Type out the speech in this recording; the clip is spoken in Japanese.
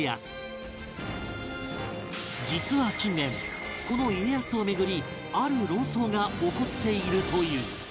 実は近年この家康をめぐりある論争が起こっているという